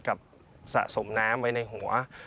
สะสมน้ำไว้ในหัว